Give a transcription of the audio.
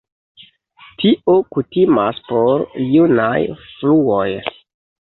Tio kutimas por junaj fluoj.